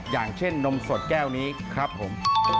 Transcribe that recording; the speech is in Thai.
อย่างเช่นนมสดแก้วนี้ครับผม